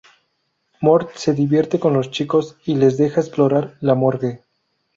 Mort se divierte con los chicos y les deja explorar la morgue.